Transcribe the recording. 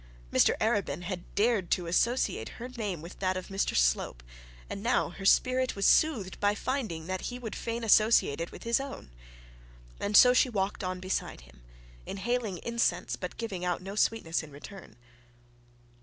Mr Arabin had dared to associate her name with that of Mr Slope, and now her spirit was soothed by finding that he would fain associate it with his own. And so she walked on beside him inhaling incense, but giving out no sweetness in return.